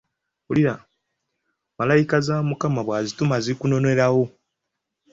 Malayika za Mukama bw'azituma zikunonerawo.